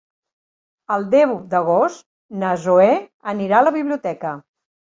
El deu d'agost na Zoè anirà a la biblioteca.